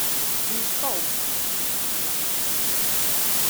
Bioskoop.